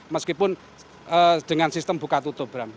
meskipun dengan sistem buka tutup bram